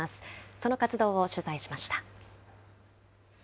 その活動を取材しました。